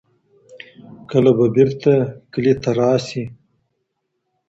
کله به بیرته کلي ته راسي